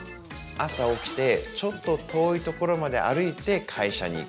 朝起きてちょっと遠いところまで歩いて会社に行く。